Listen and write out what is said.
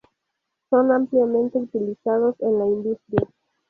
Son ampliamente utilizados en la industria.